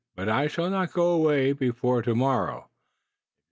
"But I shall not go away before to morrow.